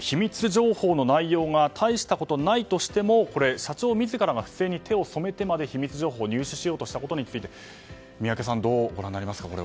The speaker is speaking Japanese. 情報の内容が大したことがないとしても社長自らが不正に手を染めてまで秘密情報を入手しようとしたことについて宮家さん、どうご覧になりますか。